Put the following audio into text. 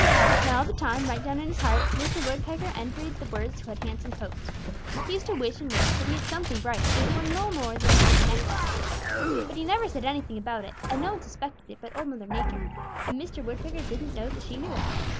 "Now all the time, right down in his heart, Mr. Woodpecker envied the birds who had handsome coats. He used to wish and wish that he had something bright, if it were no more than a pretty necktie. But he never said anything about it, and no one suspected it but Old Mother Nature, and Mr. Woodpecker didn't know that she knew it.